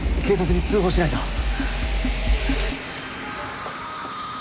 警察に通報しないと。